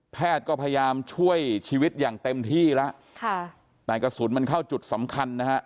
แพทย์ก็พยายามช่วยชีวิตอย่างเต็มที่แล้วค่ะแต่กระสุนมันเข้าจุดสำคัญนะฮะ